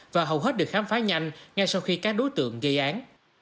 và hầu hết được khám phá nhanh ngay sau khi các đối tượng gây án